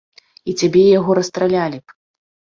І цябе і яго расстралялі б!